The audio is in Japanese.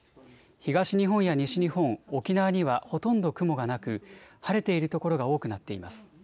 東日本や西日本、沖縄にはほとんど雲がなく晴れている所が多くなっています。